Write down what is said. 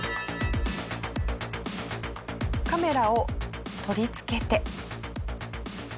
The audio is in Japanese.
カメラを取り付けて。